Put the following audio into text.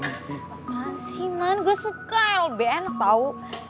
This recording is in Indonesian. makasih man gue suka lbn tau